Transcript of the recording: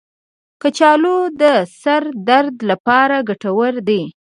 کچالو د سر درد لپاره ګټور دی.